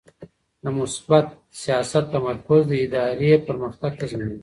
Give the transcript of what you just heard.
د مثبت سیاست تمرکز د ادارې پرمختګ تضمینوي.